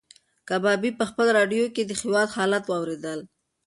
کبابي په خپلې راډیو کې د هېواد حالات اورېدل.